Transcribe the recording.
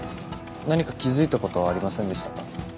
何か気付いたことはありませんでしたか。